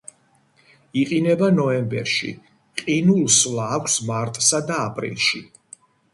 იყინება ნოემბერში, ყინულსვლა აქვს მარტსა და აპრილში.